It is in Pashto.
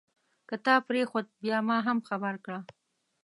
که تا پرېښود بیا ما هم خبر کړه.